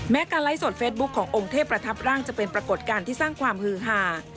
การไลฟ์สดเฟซบุ๊คขององค์เทพประทับร่างจะเป็นปรากฏการณ์ที่สร้างความฮือหา